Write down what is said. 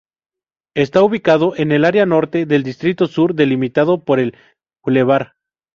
Está ubicado en el área norte del Distrito Sur, delimitado por el Bv.